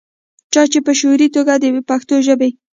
چا چې پۀ شعوري توګه دَپښتو ژبې